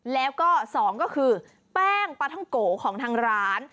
แล้วก็สองก็คือแป้งปลาท่องโกของทางร้าน